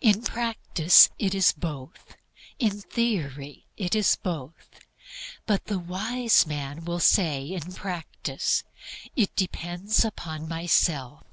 In practice it is both; in theory it is both. But the wise man will say in practice, "It depends upon myself."